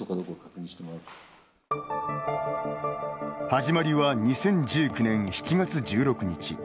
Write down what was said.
始まりは２０１９年７月１６日。